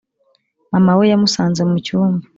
mama we yamusanze mu cyumba